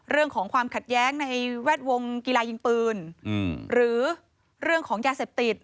เรื่องของความขัดแย้งในแวดวงกีฬายิงปืนหรือเรื่องของยาเสพติด